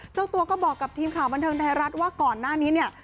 เจ้าตัวก็บอกกับทีมข่าวบันเทิงไทยรัฐว่าก่อนหน้านี้เนี่ย